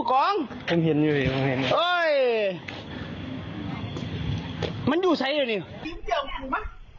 ลองฟังหน่อยค่ะคุณผู้ชม